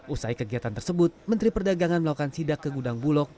usai kegiatan tersebut menteri perdagangan melakukan sidak ke gudang bulog